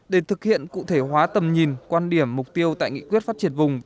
để thực hiện cụ thể hóa tầm nhìn quan điểm mục tiêu tại nghị quyết phát triển vùng